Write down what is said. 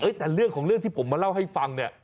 แต่เรื่องของเรื่องที่ผมมาเล่าให้ฟังเนี่ย